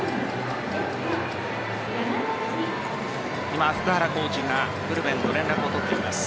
今、福原コーチがブルペンと連絡を取っています。